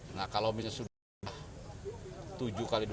nah kalau misalnya sudah tujuh kali dua ribu